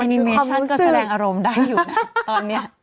นิเมชั่นก็แสดงอารมณ์ได้อยู่นะตอนนี้